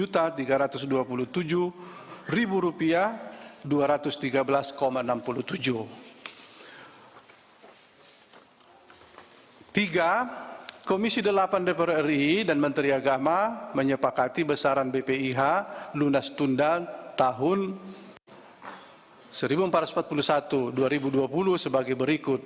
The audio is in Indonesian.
tiga komisi delapan dpr ri dan menteri agama menyepakati besaran bpih lunas tunda tahun seribu empat ratus empat puluh satu dua ribu dua puluh sebagai berikut